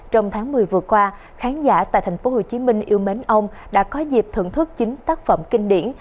trong tháng một mươi vừa qua khán giả tại tp hcm yêu mến ông đã có dịp thưởng thức chính tác phẩm kinh điển